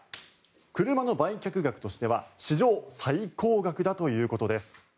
車の売却額としては史上最高額だということです。